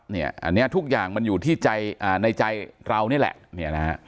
อันนี้ทุกอย่างมันอยู่ในใจเรานี่แหละนี่นะฮะ